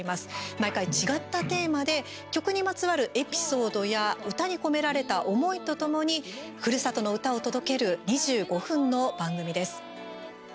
毎回、違ったテーマで曲にまつわるエピソードや唄に込められた思いとともにふるさとの唄を届ける２５分の番組です。